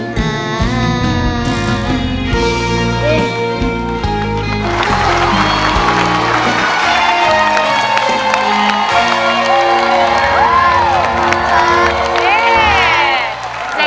ขอบคุณครับ